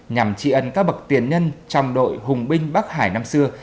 nhằm trị ân các bậc tiền nhân trong đội hùng binh bắc hải năm xưa